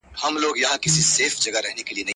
• پر سجده ورته پراته وای عالمونه ,